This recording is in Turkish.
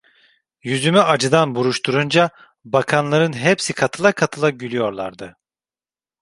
Yüzümü acıdan buruşturunca, bakanların hepsi katıla katıla gülüyorlardı…